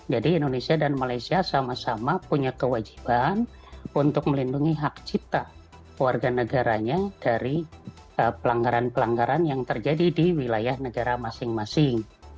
indonesia dan malaysia sama sama punya kewajiban untuk melindungi hak cipta warga negaranya dari pelanggaran pelanggaran yang terjadi di wilayah negara masing masing